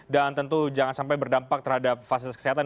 dan tentu jangan sampai berdampak terhadap fasilitas kesehatan